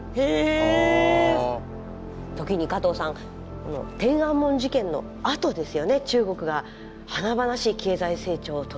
時に加藤さん天安門事件のあとですよね中国が華々しい経済成長を遂げていくのは。